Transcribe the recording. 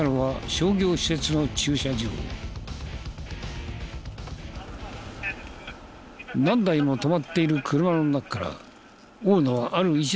何台も止まっている車の中から大野はある１台に目を留めた。